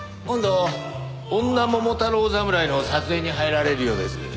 今度『女桃太郎侍』の撮影に入られるようです。